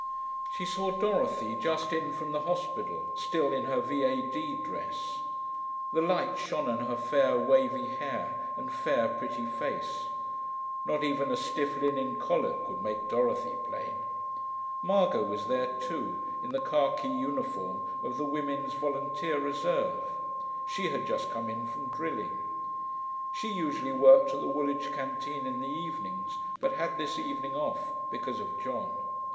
She saw Dorothy, just in from the hospital, still in her V.A.D. dress. The light shone on her fair wavy hair and fair pretty face. Not even a stiff linen collar could make Dorothy plain. Margot was there too, in the khaki uniform of the Women's Volunteer Reserve; she had just come in from drilling. She usually worked at the Woolwich canteen in the evenings, but had this evening off, because of John.